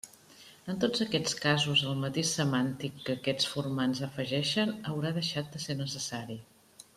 En tots aquests casos el matís semàntic que aquests formants afegeixen haurà deixat de ser necessari.